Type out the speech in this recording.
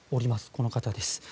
この方です。